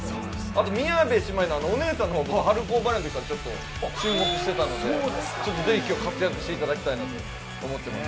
あと宮部姉妹のお姉さんの方も春高バレーのときから注目してたので、ぜひ今日、活躍していただきたいと思います。